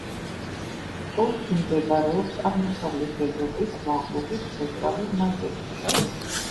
ოლქი მდებარეობს აღმოსავლეთ ევროპის მაღლობის ცენტრალურ ნაწილში.